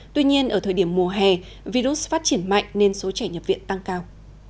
tuy nhiên ở thời điểm mùa hè virus phát triển mạnh nên số trẻ nhập viện tăng cao